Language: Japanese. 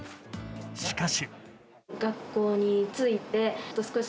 しかし。